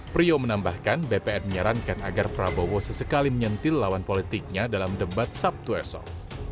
prio menambahkan bpn menyarankan agar prabowo sesekali menyentil lawan politiknya dalam debat sabtu esok